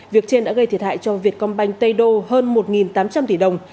việc trên đã gây thiệt hại cho việt công banh tây đô hơn một tám trăm linh tỷ đồng